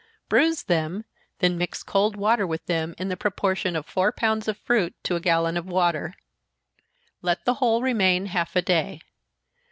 Bruise them, then mix cold water with them, in the proportion of four pounds of fruit to a gallon of water. Let the whole remain half a day.